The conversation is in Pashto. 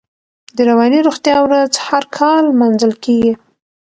د رواني روغتیا ورځ هر کال نمانځل کېږي.